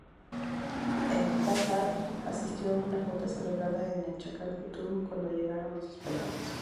El Batab asistió a una junta celebrada en Chakán Putum cuando llegaron los españoles.